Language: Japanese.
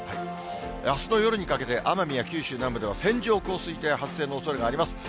あすの夜にかけて奄美や九州南部では線状降水帯が発生のおそれがあります。